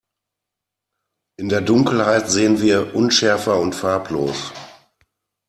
In der Dunkelheit sehen wir unschärfer und farblos.